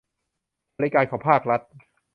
บริการของภาครัฐ